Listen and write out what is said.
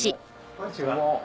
・こんにちは・